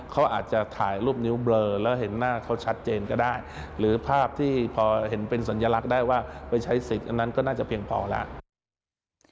ก็สัญลักษณ์ได้ว่าไปใช้ศิษย์อันนั้นก็น่าจะเพียงพอแล้ว